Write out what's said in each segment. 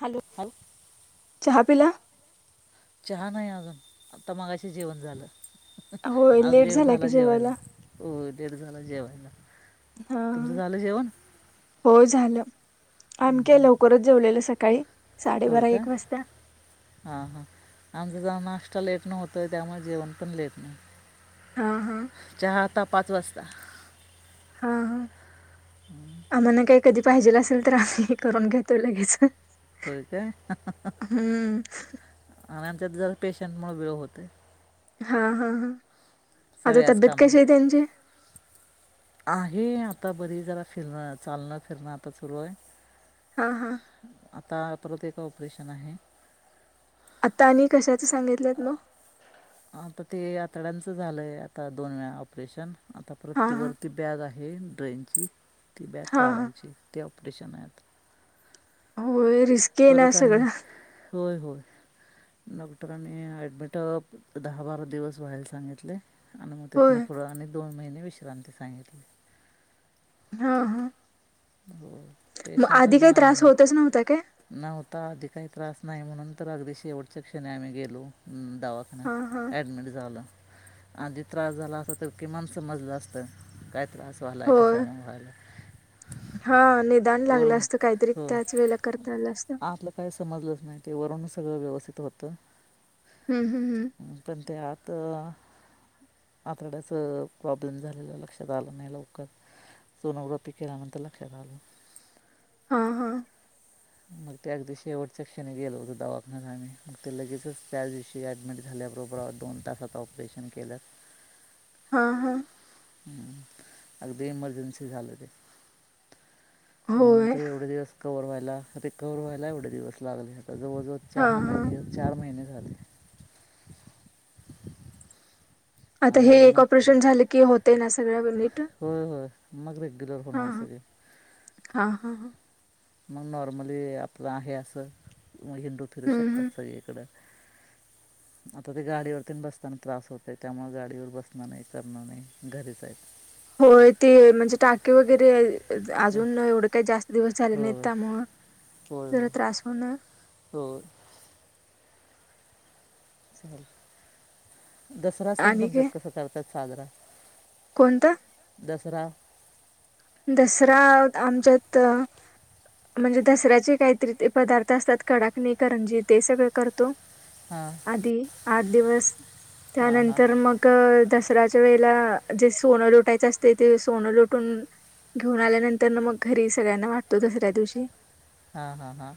Hello अहो चहा पिला चहा नाय अजून आता मगाशी जेवण झालं आज लेट झाला जेवायला हो लेट झाला जेवायला हा तुमचं झालं जेवण हो झालं अमी काय लवकरच जेवलेलं स कायी होय का हा हा आमचा जाऊ ना लेट न होतय त्यामुळे जेवण पण लेट न हा हा चहा आता पाच वाजता हा हा हम्म आम्हाला काही कधी पाहिजेल असेल तर आम्ही हे करून घेतोय लगेच होय काय हाहाहा हम्म आणि त्यात जरा पेशंटमुळ वेळ होतय. हा हा हा आता सगळ्याच तब्येत कामाला कशी आहे त्यांची आहे. आता बरी जरा फिरण चालणं फिरणं आता सुरू आहे. हा हा हा परत एक ऑपरेशन आहे. आता आणि कशात आता ते आतड्यांचं झालंय आता दोन वेळा ऑपरेशन आता हा परत ती हा वरती बॅग आहे ड्रेनची ती बॅग हा हा काढायची त्या ऑपरेशन हाय आता होय रिस्की ना परत आणि सगळ्या होय होय डॉक्टरांनी ऍडमिट दहा बारा दिवस व्हायला सांगितले. आणि मग तिथन होय पुढं आणि दोन महिने विश्रांती सांगितली. हा हा हो मग पेशंट आधी काही अजून आहे त्रास होतच नव्हता काय मग नव्हता आधी काही त्रास नाही म्हणून तर अगदी शेवटच्या क्षणी आम्ही गेलो. अ म हा हा दवाखान्यात ॲडमिट झालो. आधी त्रास झाला असत तर किमान समजलं असत काय त्रासवाला व्हालाय होय कशामुळे व्हायलाय हा निदान लागलं असतं काहीतरी हो त्याच वेळीला करता आलं असत आतलं काय समजलंच नाही ते वरून सगळं व्यवस्थित होतं हं, हं, हं. नंतर ते आत आतड्याच प्रॉब्लेम झालेलं लक्षात आलं न्हय लवकर सोनोग्राफी केल्यानंतर लक्षात आलं हा हा मग त्या अगदी शेवटच्या क्षणी गेलो होत दवाखान्यात आम्ही मग ते लगेच त्याच दिवशी ऍडमिट झालो त्या बरोबर दोन तासात ऑपरेशन केलं हा हा अगदी एमर्जेन्सी झालं ते म्हणून होय. तर एवढे दिवस कव्हवर व्हायला रिकव्हवर व्हायला एवढे दिवस लागले जवळ जवळ चार हां, हां. महिने चार महिने झाले आता आणि हे अजून एक आता ऑपरेशन झालं की होतय ना सगळं बनिट होय होय मग रेग्युलर होणार सगळे. हा हा ह. मग नॉर्मली आपलं आहे असं मग हिंडू फिरू हं, हं. शकतात सगळीकडं. [unintelligible] आता ते गाडीवर तेन बसताना त्रास होतय त्यामुळ गाडीवर बसणं न्हय करण न्हय घरीच हाय. होय ते म्हणजे टाके वगैरे अजून एवढं काय जास्त दिवस झाल न्हाईत हो त्यामुळ होय जरा होय त्रास होणं. हो दसरा सण आणि काय तुमच्यात कसा करतात साजरा कोणता? दसरा. दसरा अ आमच्यात म्हणजे दसऱ्याचे काहीतरी ते पदार्थ असतात कडाकने करंजे ते सगळ करतो. हां आधी आठ दिवस हां हां त्यानंतर मग दसऱ्या जे त्या वेळेला जे सोनं लुटायचं असतय ते सोनं लुटून. घेऊन आल्यानंतर मग घरी सगळ्यांना वाटतो दसऱ्या दिवशी हा हा हा.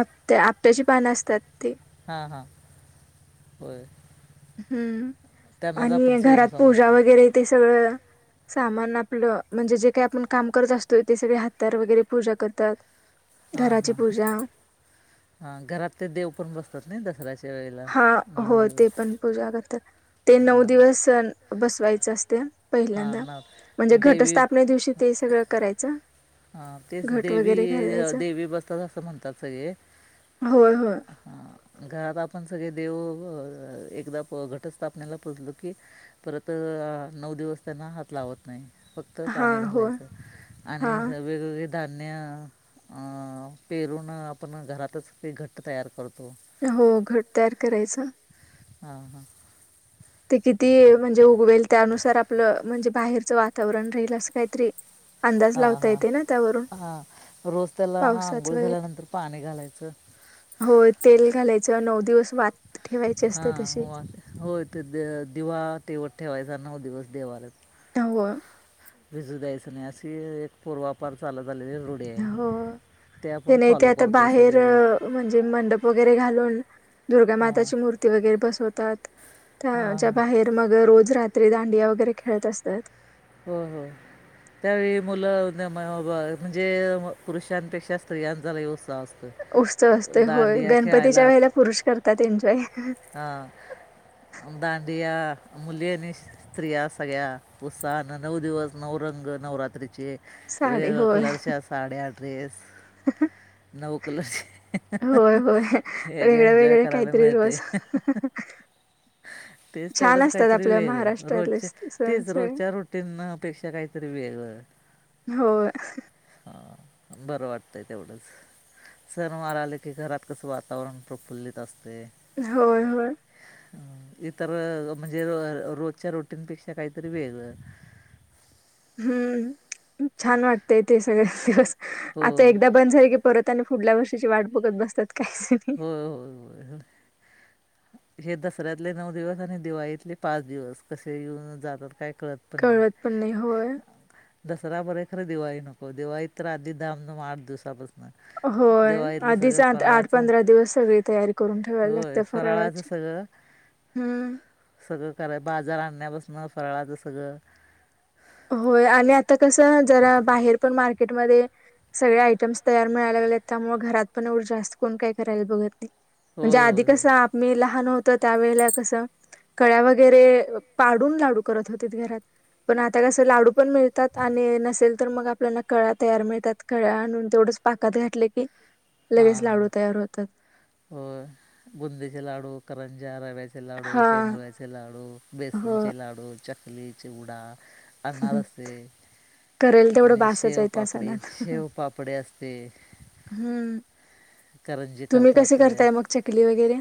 आपत्या आपट्याची पानं असतात ते हा हा होय. हम्म त्यांनाच आपण आणि सोनं घरात पूजा समजतो वगैरे ते सगळं. सामान आपलं म्हणजे जे काय आपण काम करत असतोय ते सगळे हात्याार वगैरे पूजा करत्यात हा हा हा घरात ते देव पण बसतात न्हय दसऱ्याच्या वेळेला हा नऊ होय ते दिवस पण पूजा करत्यात ते नऊ हां दिवस सण बसवायचं असते हां पहिल्यांदा नऊ म्हणजे देवी घटस्थापनेदिवशी ते सगळं करायचं. हा तेच घट देवी वगैरे घालायचं देवी बसतात असं म्हणतात सगळे होय होय हा घरात आपण सगळे देव एकदा घटस्थापनेला पुजलो की परत नऊ दिवस. त्यांना हात लावत न्हय फक्त हा पाणी हो घालायच हा आणि वेगवेगळे धान्य अ पेरून आपण घरातच ते घट्ट तयार करतो. हो घट तयार करायचं. हा हा. ते किती म्हणजे उगवेल त्यानुसार आपलं म्हणजे बाहेरचं वातावरण राहील असं काहीतरी अंदाज हा लावता हा येते ना त्यावरून हा रोज त्याला हा पावसाच आंघोळ झाल्यानंतर पाणी घालायचं. होय तेल घालायचं नऊ दिवस वात ठेवायची हा असते तशी होय त ते दिवा तेवत ठेवायचा नऊ दिवस देवऱ्यावर होय. भिजू द्यायचं न्हय अशी एक पूर्वापार चालत. आलेली रूढी आहे हो. ते आपण नाही ते फॉलो आता करतोय बाहेर सगळेजण म्हणजे मंडप वगैरे घालून हां दुर्गामाताची मूर्ती वगैरे बसवत. त्याच्या हां बाहेर मग रोज रात्री दांडिया वगैरे खेळत असतात. हो हो. त्यावेळी मुलं म्हणजे पुरुषांपेक्षा स्त्रियांचा लय उत्साह असतो. उत्साह असतय होय दांडिया गणपतीच्या वेळेला पुरुष करतात एन्जॉय. हा. दांडिया मुली आणि स्त्रिया सगळ्या उत्साहानं नऊ दिवस नऊ रोज रंग नवरात्रीचे साडी वेगवेगळ्या होय कलरच्या साड्या ड्रेस नऊ कलर चे होय होय हे का वेगळे एन्जॉय वेगळे करायला काहीतरी मिळते. [unintelligible] तेच तेवढंच असतात काहीतरी आपल्या वेग महाराष्ट्रातले रोजच्या स- सण तेच सगळे रोजच्या रुटीनपेक्षा काहीतरी वेगळं. होय. हां बरं वाटतंय तेवढंच! सणवार आले की घरात कस वातावरण प्रफुल्लित असतय. होय होय. इतर म्हणजे रोजच्या रुटीनपेक्षा काहीतरी वेगळ. [inaudible] हम्म छान वाटतय ते सगळे दिवस आता होय एकदा बंद झाले की परत आणि पुढल्या वर्षीची वाट बघत बसतात काही जणी! होय होय होय हे दसऱ्यातले नऊ दिवस, आणि दिवाळीतले पाच दिवस कसे येऊन जातात काय कळत पण नाही पण नाही होय दसरा बरे, खरे दिवाळी नको. दिवाळीत तर आधी धामधुम आठ दिवसापासून. होय दिवाळीतलं आधीच सगळं आठ आठ फराळाचं पंधरा दिवस सगळी तयारी करून ठेवायला होय लागते फराळाचं फराळाची. सगळं हम्म कराय बाजार आण्या पसन फराळाच सगळं होय आणि आता कस जरा बाहेर पण मार्के टमध्ये सगळे आयटम्स तयार मिळायला लागलेत त्यामुळे घरात पण एवढं जास्त कोण काही करायला बघत नाही. म्हणजे होय आधी होय होय कसं आम्ही लहान हो तो तर त्या वेळेला कस कळ्या वगेरै पाडून लाडू करत होते घरात पण आत्ता कसं लाडू पण मिळतात आणि नसेल तर मग आपल्याला कळ्या तयार मिळतात कळ्या आणून तेवढंच पाकात घातले की हा लगेच हा लाडू तयार होतात हो बुंदचे लाडू, करंज्या रव्याचे लाडू, हा शेंगुळ्याचे लाडू, हो बेसनचे लाडू, चकली, चिवडा अनारसे करेल तेवढं आणि बासच आहे त्या शेवपापडी सणाला शेवपापडी असते हम्म! करंजी तुम्ही कसे करतात करताय मग चकली वगैरे?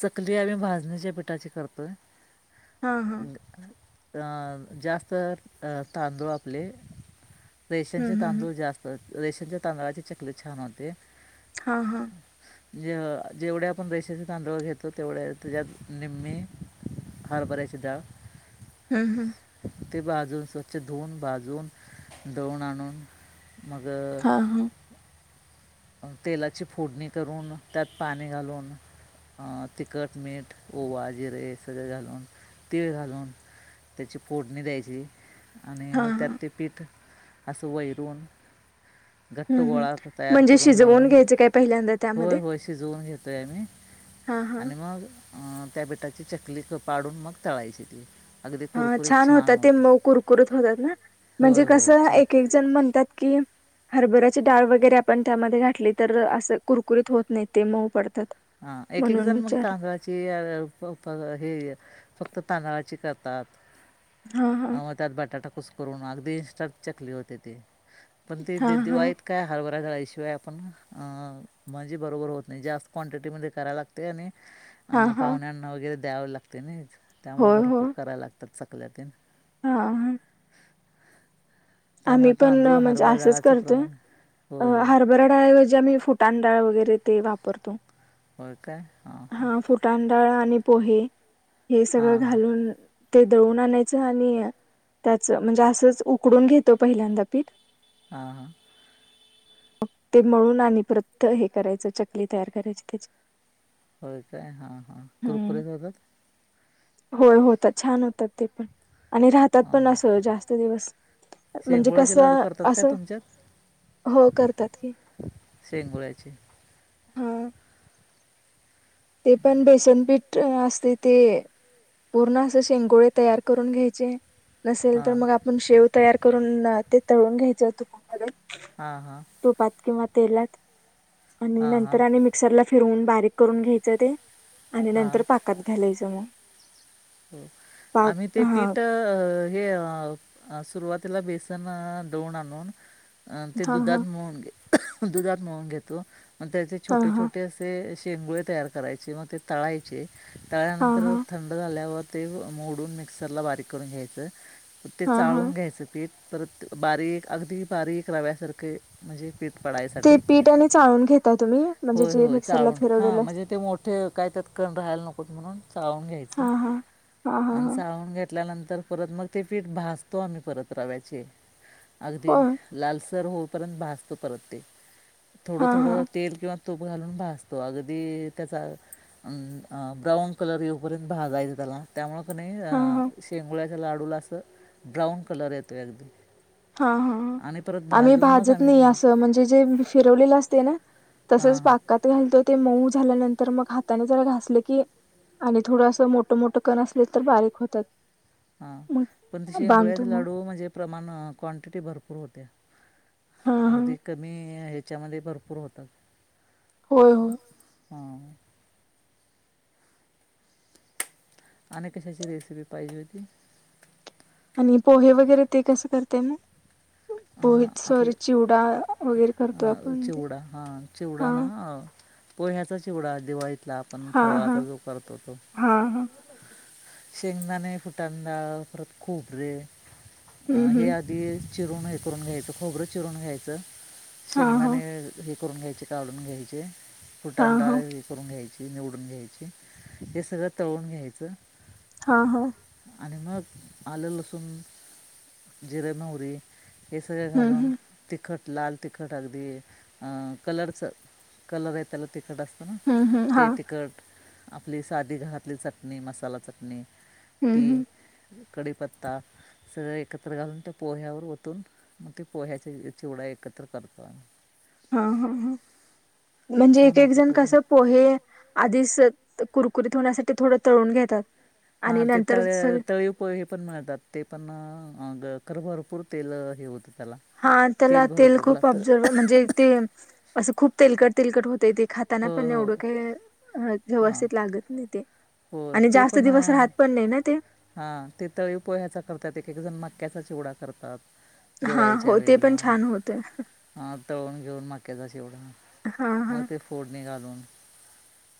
चकली आम्ही भाजणीच्या पिठाची करतोय. हा हा जास्त तांदूळ आपले हम्म रेशनचे हम्म तांदूळ जास्त रेशनच्या तांदळाची चकली छान होते. हा हा! जेवढे आपण रेशनचे तांदूळ घेतो तेवढ्या त्याच्यात निम्मी हरभराची डाळ हम्म हम्म ते बाजून स्वच्छ धुवन बाजून दळून आणून मग हा हा तेलाची फोडणी करून त्यात पाणी घालून तिखट मीठ ओवा जिरे सगळे घालून तीळ घालून त्याची फोडणी द्यायची. आणि हा मग त्यात हा ते पीठ असं वैरुन हम्म म्हणजे शिजवून मळून घ्यायचं काय पहिल्यांदाच? होय होय शिजवून घेतोय आ मी हा हा आणि मग अं त्या पीटाची चकली पाडून मग तळायची ती! अगदी हा कुरकुरीत छान होतात, ते होते म कुरकुरत होतात ना? म्हणजे होय होय कसं छान एक एक जण म्हणतात की हरभऱ्याची डाळ वगैरे आपण त्यामध्ये घातली तर असं कुरकुरीत होत नाही ते मऊ पडत. हा एक एक जण मग तांदळाची हे फक्त तांदळाची करतात, हा आ हा म त्यात बटाटा खुस्करून अगदी इन्स्टंट चकली होते ती, पण हा ती हा दिवाळीत काय हर डाळीशिवाय आपण म्हणझी बरोबर होत नाही जास्त क्वांटिटीमध्ये करायला लागते. आणि हा अं हा पाहुण्यांना वगैरे द्यावे लागते नाही त्यामुळे होय हो भरपूर करायला लागतात. चकल्या त्या! हा! आम्ही त्यामुळे पण तांदूळ म्हणजे हरभरा असंच डाळाचं प्रमाण होय करतोय होय हारबराडाऐवजे आम्ही फ तांडाळ वगैरे ते वापरतो. ब काय ह ह. ळ आणि पोहे हे सगळ हां हां घालून. ते दळून आणायचं आणि त्याचं म्हणजे असंच उकडून घेतो पहिल्यांदा पीठ हा हा. मग ते म्हळून आणि परत हे करायचं चकली तयार करायची त्याची होय काय हा हा हम्म. कुरकुरी होतात. होय होत छान होतात ते पण आणि राहतात हां पण हां असं जास्त दिवस म्हणजे शेंगुळ्याचे लाडू कसं करतात अस. काय तुमच्यात हो. [unintelligible] संगडयची. हा. ते पण बेसनपीठ अस. ते पूर्ण अस शेंगोळे तयार करून घ्यायचे. नसेल तर हां मग आपण शेव तयार करून ते तळून घ्यायचं तुक म हां हां तुपात किंवा तेलात आणि हां नंतर हां आणि मिक्सरला फिरवून बारीक करून घ्यायचं ते आणि हां नंतर पाकात घालायचं मग. हो पाक आम्ही ते हा पीठ हे सुरुवात त्याला बेसन दवन आणून अ ते हा दुधात हा मोळून घे. दुधात मोळून घेतो मग त्याचे हा छोटे हा छोटे असे. चेंगुळे तयार करायचे मग ते तळायचे हा हा ताळल्यानंतर थंड झाल्या. ते मोडून मिक्सरला बारीक करून घ्यायचं ते हा हा. चाळून घ्यायचं तेी परत बारीक अगदी बारीक लाव्यासारखे म्हणजे पीठ ते पडायसाठी पीठ आणि चाळून घेता तुम्ही म्हणजे होय जे होय मिक्सरला फिरवलेलं अस. न म्हण चाळ घ हा हा हा हा हा रीकामा होय आहे. होपर्यंत भासत परत ते थोडं हा हा थोडं तेल किंवा [unintelligible] तूप घालून भाजतो अगदी त्याचा ब्राऊन कलर येऊपर्यंत भाजायचं त्याला त्यामु क नाही अ हा हा शेंगोळ्याच्या लाडूला असं ब्राऊन कलर येतो अगदी हा हा आणि परत आम्ही भाजून मग भाजत आम्ही नाही असं नंतर म्हणजे जे फिरवलेलं असते ना. हां तसेच हां पाकात घालतो ते मऊ झाल्यानंतर मग हाताने जरा घासलं की आणि थोडंसं मोठं मोठं कण असले तर बारीक होतात. हा मग पण ति श बांधतो हंगोळ्याचे मग लाडू म्हणजे प्रमाण क्वांटिटी भरपूर होते्या. हा हा अगदी कमी ह्याच्यामध्ये भरपूर होतात. होय होय. हा. आणि कशाची रेसिपी पाहिजे होती. आणि पोहे वगैरे ते कसं करतेय मी पो पोहित सरी आपले चिवडा वगैरे करतोय आपण त चिवडा हां चिवडा हा. ना पोह्याचा चिवडा दिवाळीतला आपण हा हा फराळाचा जो करतो तो हा हा शेंगदाणे कु टाकतात परत खोब रे हम्म अ हे हम्म आधी चिरून हे करून घ्यायचं खोबरं चिरून घ्यायचं हा हा शेंगदाणे हे. करून घ्यायचे काढून घ्यायचे हा हा फुलटांडर हे करून घ्यायचे. निवडून घ्यायची हे सगळं तळून घ्यायचं. हा हा. आणि मग आलं लसून जिऱे मोहरी हे सगळे हम्म घालून हम्म तेख लाल तिखट अगदी अ कलरच कलर येत्याल तिख तिकट असतं ना हम्म हम्म हा ते तिखट आपली साधी घरातली चटणी मसाला चटणी. हम्म ती हम्म कडीपत्ता. सगळ एकत्र घालून त्या पोह्यावर वतू ततून मग ती पोह्याची चिवडा एकत्र करतो आम्ही. हा. हा. हा म्हणजे छान एक-एक होतो जण तो कस पण पोहे आधीच कुरकुरीत होण्यासाठी थोडं तळून घेतात. हा आणि ते नंतर तळ सग तळीव पोहे पण मिळतात. ते पण. आ ग खर. भरपूर तेला हे होत. हा त्याला तेल खूप ऑब्झर्व म्हणजे ते असं. खूप तेलकट तेलकट होतय ते. खाताना हो पण हो एवढं काय, हा हां व्यवस्थित लागत नई ते. हो आणि जास्त दिवस राहत पण नाही ना ते. हा ते तळी पोह्याचा करतात, एक एक जण मक्याचा चिवडा करतात. हां दिवाळीच्या हो ते वेळेला पण छान होतंय. हां तळून घेऊन माक्याचा चिवडा, हा मग ते फोडणी घालून.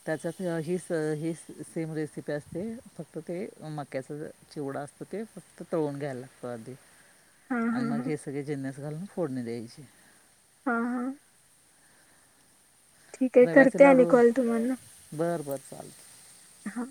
त्याच्यात ह हे सेम रेसिपी असते फक्त ते मक्या मक्या चिवडा असतो ते फक्त तळून घ्यायला लागतो आधी, हा हा आणि मग हा हे सगळे जिनस घालून फोडणी द्यायची. हां हां. ठीक आहे रव्याचे करते आणि कॉल तुम्हाना. चालतंय हा.